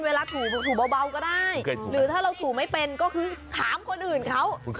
ถูเบาก็ได้หรือถ้าเราถูไม่เป็นก็คือถามคนอื่นเขา